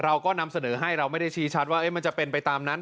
เราก็นำเสนอให้เราไม่ได้ชี้ชัดว่ามันจะเป็นไปตามนั้น